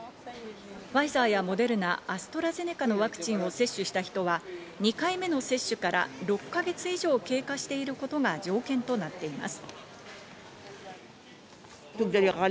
ファイザーやモデルナ、アストラゼネカのワクチンを接種した人は２回目の接種から６か月以上経過していることが条件となっています。